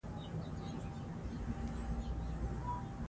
هغه وویل چې د اندېښنو یاداښت ګټور دی.